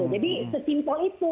jadi sesimpel itu